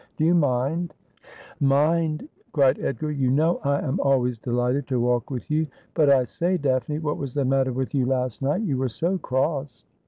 Do you mind ?'' Mind !' cried Edgar. ' You know I am always delighted to walk with you. But, I say, Daphne, what was the matter with you last night ? You were so cross.'